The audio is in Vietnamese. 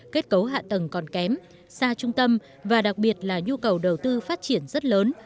kết cấu hạ tầng còn kém xa trung tâm và đặc biệt là nhu cầu đầu tư phát triển rất lớn